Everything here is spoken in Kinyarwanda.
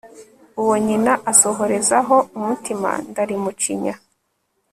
uwo nyina asohorezaho umutima ndalimucinya